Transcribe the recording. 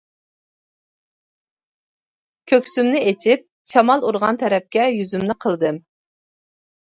كۆكسۈمنى ئېچىپ، شامال ئۇرغان تەرەپكە يۈزۈمنى قىلدىم.